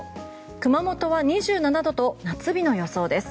熊本は２７度と夏日の予想です。